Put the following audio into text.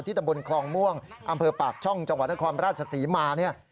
ตำบลคลองม่วงอำเภอปากช่องจังหวัดนครราชศรีมาเนี่ย